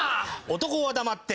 男は黙って。